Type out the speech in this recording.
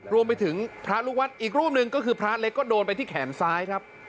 รวมไปถึงพระลูกวัดอีกรูปหนึ่งก็คือพระเล็กก็โดนไปที่แขนซ้ายครับ